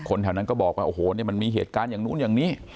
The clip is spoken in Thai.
แถวนั้นก็บอกว่าโอ้โหเนี่ยมันมีเหตุการณ์อย่างนู้นอย่างนี้